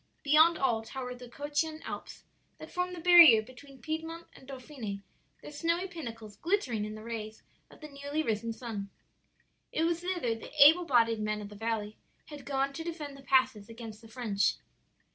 Beyond all towered the Cottian Alps, that form the barrier between Piedmont and Dauphiny, their snowy pinnacles glittering in the rays of the newly risen sun. "It was thither the able bodied men of the valley had gone to defend the passes against the French.